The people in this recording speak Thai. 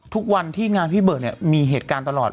ทุกวันที่งานพี่เบิร์ดเนี่ยมีเหตุการณ์ตลอด